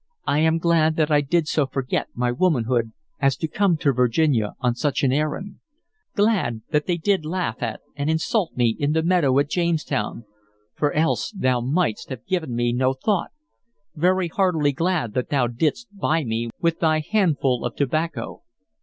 "I am glad that I did so forget my womanhood as to come to Virginia on such an errand; glad that they did laugh at and insult me in the meadow at Jamestown, for else thou mightst have given me no thought; very heartily glad that thou didst buy me with thy handful of tobacco.